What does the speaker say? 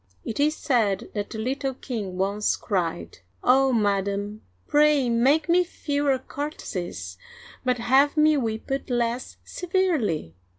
It is said that the little king once cried :Oh, Madam, pray make me fewer curtsies, but have me whipped less se verely